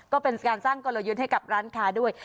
ก็เป็นการสร้างกลยุทธ์ให้กับร้านค้าด้วย